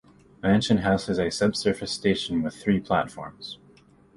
Mansion House is a sub-surface station with three platforms.